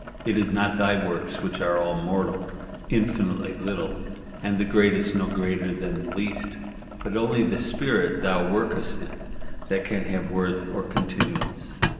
it is not thy works, which are all mortal, infinitely little, and the greatest no greater than the least, but only the Spirit thou workest in, that can have worth or continuance.